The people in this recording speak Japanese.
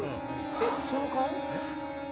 えっその顔？